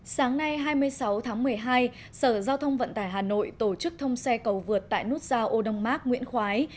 sáng nay hai mươi sáu tháng một mươi hai sở giao thông vận tải hà nội tổ chức thông xe cầu vượt tại nút giao ô đông mác nguyễn khoái